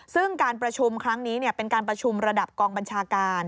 ซึ่งการประชุมครั้งนี้เป็นการประชุมระดับกองบัญชาการ